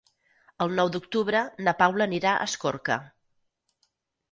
El nou d'octubre na Paula anirà a Escorca.